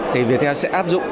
thì việc theo sẽ áp dụng